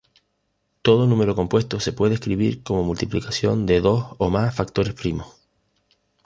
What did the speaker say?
Todo número compuesto se puede escribir como multiplicación de dos o más factores primos.